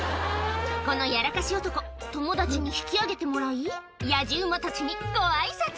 このやらかし男、友達に引き上げてもらい、やじ馬たちにごあいさつ。